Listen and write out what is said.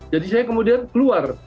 jadi saya kemudian keluar